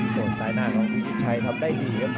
โหสายหน้าของพี่ชิคกี้พายทำได้ดีครับ